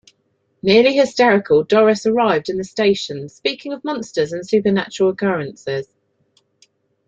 Nearly hysterical, Doris arrived in the station speaking of monsters and supernatural occurrences.